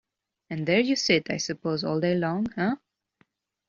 And there you sit, I suppose, all the day long, eh?